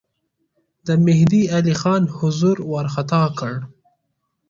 د مهدی علي خان حضور وارخطا کړ.